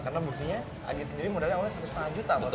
karena buktinya agit sendiri modalnya awalnya rp satu lima juta